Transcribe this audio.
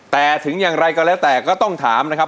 แต่ถึงอย่างไรก็แล้วแต่ก็ต้องถามนะครับ